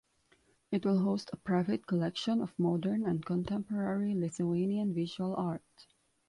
It will host a private collection of modern and contemporary Lithuanian visual art.